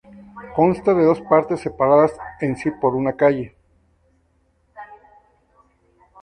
Consta de dos partes separadas en si por una calle.